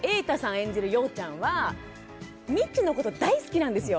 演じる陽ちゃんはみちのこと大好きなんですよ。